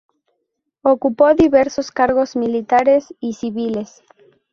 Ocupó diversos cargos militares y civiles.